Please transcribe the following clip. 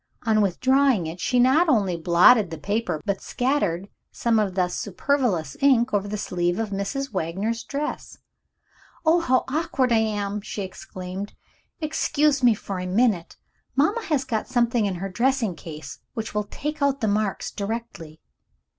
On withdrawing it she not only blotted the paper but scattered some of the superfluous ink over the sleeve of Mrs. Wagner's dress. "Oh, how awkward I am!" she exclaimed. "Excuse me for one minute. Mamma has got something in her dressing case which will take out the marks directly."